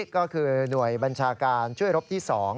ก็คือหน่วยบัญชาการช่วยรบที่๒